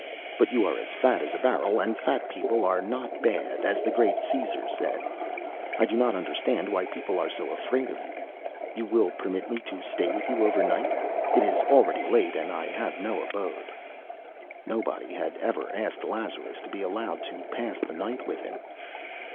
But you are as fat as a barrel, and 'Fat people are not bad,' as the great Cæsar said. I do not understand why people are so afraid of you. You will permit me to stay with you over night? It is already late, and I have no abode." Nobody had ever asked Lazarus to be allowed to pass the night with him.